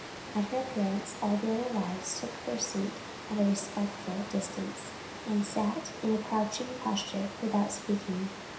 At her appearance all the other wives took their seats at a respectful distance, and sat in a crouching posture without speaking.